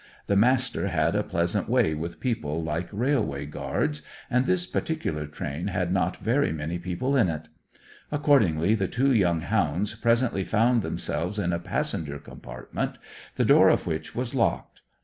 The Master had a pleasant way with people like railway guards, and this particular train had not very many people in it. Accordingly the two young hounds presently found themselves in a passenger compartment, the door of which was locked.